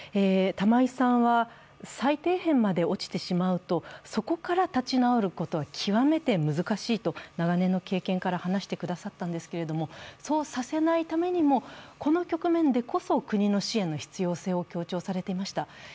玉井さんは最底辺まで落ちてしまうと、そこから立ち直ることは極めて難しいと長年の経験から話してくださったんですけれどもそうさせないためにも、この局面でこそ国の支援の必要性を強調されていました。